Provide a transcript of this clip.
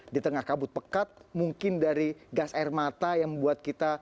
di tengah kabut pekat mungkin dari gas air mata yang membuat kita